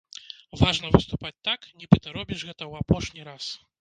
Важна выступаць так, нібыта робіш гэта ў апошні раз.